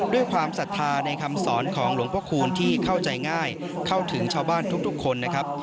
ความศรัทธาในคำสอนของหลวงพระคูณที่เข้าใจง่ายเข้าถึงชาวบ้านทุกคนนะครับ